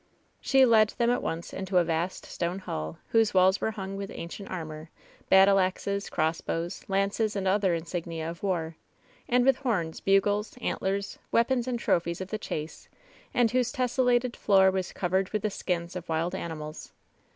She led them at once into a vast stone hall, whose walls were hung with ancient armor, battle axes, cross bows, lances and other insignia of war ; and with horns, bugles, antlers, weapons and trophies of the chase, and whose tessellated floor was covered with the skins of wild animals.